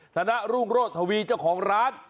ธนรุ่งโรธทวีเจ้าของร้าน